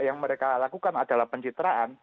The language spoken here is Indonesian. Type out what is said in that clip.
yang mereka lakukan adalah pencitraan